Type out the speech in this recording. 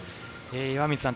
岩水さん